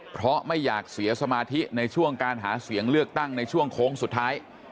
เพราะไม่อยากเสียสมาธิในช่วงการหาเสียงเลือกตั้งในช่วงโค้งสุดท้าย